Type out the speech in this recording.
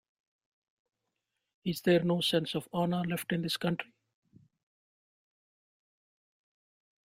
Is there no sense of honor left in this country?